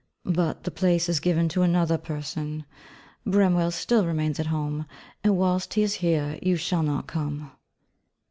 But the place is given to another person. Bramwell still remains at home, and whilst he is here, you shall not come.'